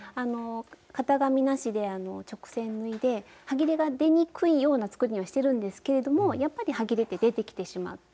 型紙なしで直線縫いではぎれが出にくいような作りにはしてるんですけれどもやっぱりはぎれって出てきてしまって。